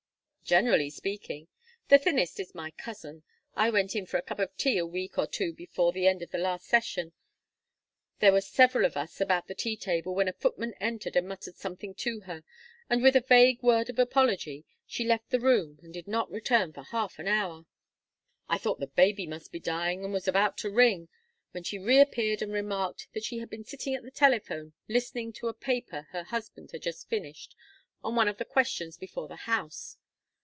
"Generally speaking. The thinnest is my cousin. I went in for a cup of tea a week or two before the end of last session. There were several of us about the tea table when a footman entered and muttered something to her, and with a vague word of apology she left the room and did not return for half an hour. I thought the baby must be dying, and was about to ring, when she reappeared and remarked that she had been sitting at the telephone listening to a paper her husband had just finished on one of the questions before the House.